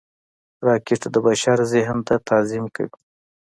راکټ د بشر ذهن ته تعظیم کوي